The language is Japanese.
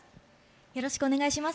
よろしくお願いします。